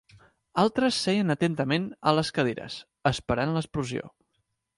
Altres seien atentament a les cadires, esperant l'explosió.